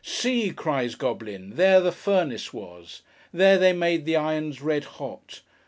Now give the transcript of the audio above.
See! cries Goblin. There the furnace was. There they made the irons red hot.